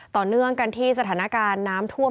ต่อเนื่องกันที่สถานการณ์น้ำท่วม